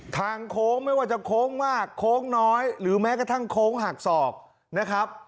โค้งไม่ว่าจะโค้งมากโค้งน้อยหรือแม้กระทั่งโค้งหักศอกนะครับ